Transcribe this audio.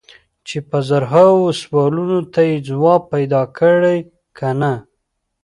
چې په زرهاوو سوالونو ته یې ځواب پیدا کړی که نه.